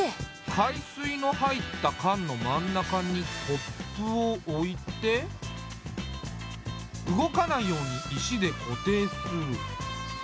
海水の入った缶の真ん中にコップを置いて動かないように石で固定する。